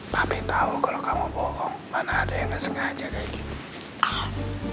tapi tau kalo kamu bohong mana ada yang gak sengaja kayak gitu